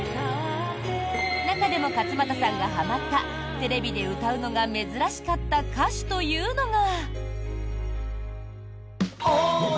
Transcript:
中でも勝俣さんがはまったテレビで歌うのが珍しかった歌手というのが。